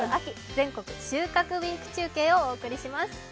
全国収穫ウィーク中継」をお送りします。